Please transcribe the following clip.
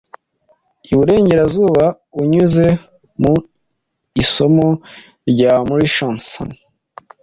iburengerazuba unyuze mu Isumo rya Murchison